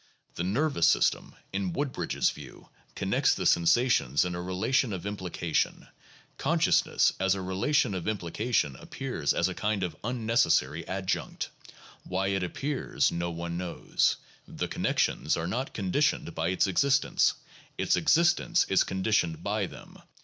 The nervous system, in Wood bridge's view, connects the sensations in a relation of implication; consciousness as a relation of implication appears as a kind of unnecessary adjunct; why it appears no one knows; the connec tions are not conditioned by its existence; its existence is con ditioned by them.